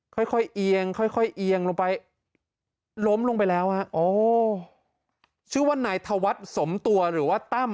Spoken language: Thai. ค่อยเอียงค่อยเอียงลงไปล้มลงไปแล้วอ่ะชื่อว่าไหนถวัดสมตัวหรือว่าตั้ม